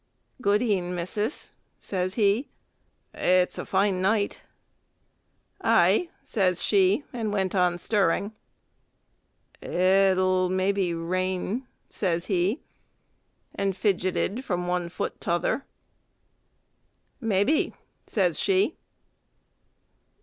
"Good e'en, missis," says he, "it's a fine night." "Aye," says she, and went on stirring. "It'll maybe rain," says he, and fidgeted from one foot to t' other. "Maybe," says she.